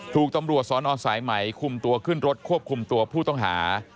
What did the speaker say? ถูกตำรวจสอนอสายไหมคุมตัวขึ้นรถควบคุมตัวผู้ต้องหา